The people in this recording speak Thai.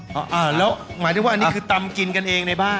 แล้วหมายถึงว่าอันนี้คือตำกินกันเองในบ้าน